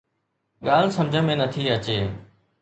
ڳالهه سمجهه ۾ نٿي اچي